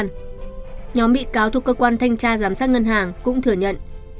nhóm bị cáo thuộc cơ quan thanh tra giám sát ngân hàng cũng thừa nhận